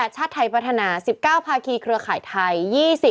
ชาติไทยพัฒนา๑๙ภาคีเครือข่ายไทย